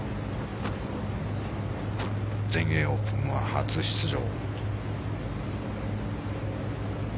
全英オープンは初出場。